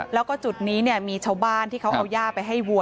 แล้วก็จุดนี้มีชาวบ้านที่เขาเอาย่าไปให้วัว